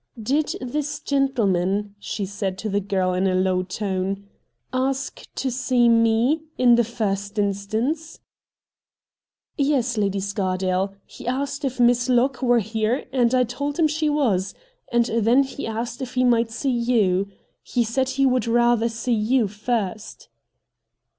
' Did this gentleman,' she said to the girl in a low tone, ' ask to see me — ^in the first instance ?' 'Yes, Lady Scardale. He asked if Miss Locke were here — and I told him she was — and then he asked if he might see you. He said he would rather see you first.'